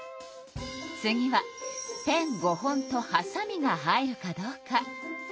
次はペン５本とはさみが入るかどうか。